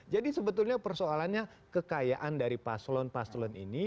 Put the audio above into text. jadi sebetulnya persoalannya kekayaan dari paslon paslon ini